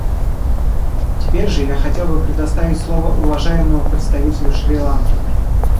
Теперь же я хотел бы предоставить слово уважаемому представителю Шри-Ланки.